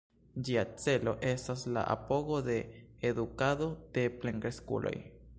Ĝia celo estas la apogo de edukado de plenkreskuloj.